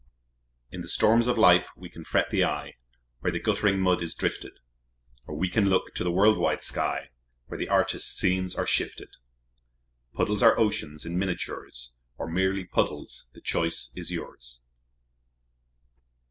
In the storms of life we can fret the eye Where the guttering mud is drifted, Or we can look to the world wide sky Where the Artist's scenes are shifted. Puddles are oceans in miniatures, Or merely puddles; the choice is yours.